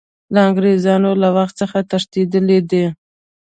له انګریزانو له خدمت څخه تښتېدلی دی.